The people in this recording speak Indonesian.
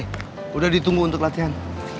oke udah ditunggu untuk latihan